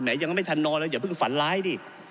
ยังไม่ทันนอนแล้วอย่าเพิ่งฝันร้ายดิ